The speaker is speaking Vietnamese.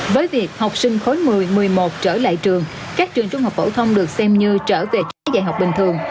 với việc học sinh khối một mươi một mươi một trở lại trường các trường trung học phổ thông được xem như trở về trí dạy học bình thường